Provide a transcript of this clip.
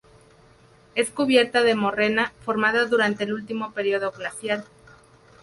Es cubierta de morrena formada durante el último periodo glacial.